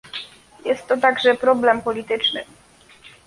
Jest to także problem polityczny